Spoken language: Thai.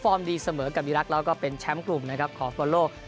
ความดีเสมอกับดีรักแล้วก็เป็นแชมป์กลุ่มของฟิบอลโลก